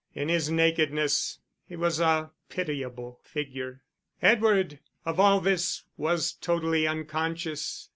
In his nakedness he was a pitiable figure. Edward of all this was totally unconscious.